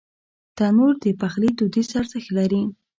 تنور د پخلي دودیز ارزښت لري